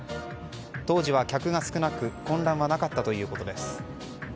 当時は客が少なく混乱はなかったということです。